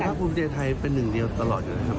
แต่ภาคภูมิเวียนไทยเป็นหนึ่งเดียวตลอดอยู่นะครับ